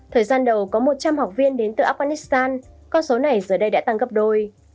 thời gian đầu có một trăm linh học viên đến từ afghanistan con số này giờ đây đã tăng gấp đôi